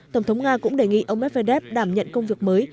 tổng thống nga cũng đề nghị ông medvedev đảm nhận công việc mới